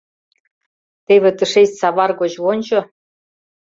Теве тышеч савар гоч вончо.